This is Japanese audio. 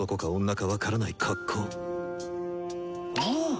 ああ！